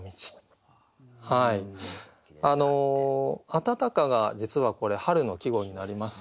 「あたたか」が実はこれ春の季語になります。